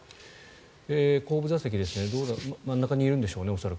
後部座席、恐らく真ん中にいるんでしょうね。